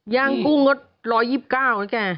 ย่างกุ้งรถรอยยี่บเก้าเหรอแก